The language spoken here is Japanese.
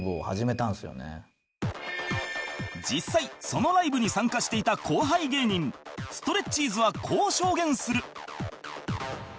実際そのライブに参加していた後輩芸人ストレッチーズはこう証言する